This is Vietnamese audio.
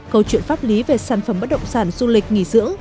câu chuyện pháp lý về sản phẩm bất động sản du lịch nghỉ dưỡng